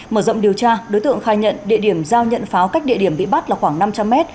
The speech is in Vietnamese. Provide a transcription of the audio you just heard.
mở rộng điều tra đối tượng khai nhận địa điểm giao nhận pháo cách địa điểm bị bắt là khoảng năm trăm linh mét